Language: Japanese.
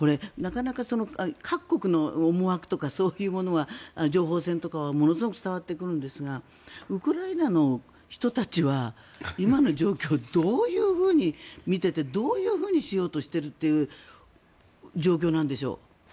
なかなか各国の思惑とはそういうものは情報戦とかはものすごく伝わってくるんですがウクライナの人たちは今の状況をどういうふうに見ててどういうふうにしようとしているという状況なんでしょう？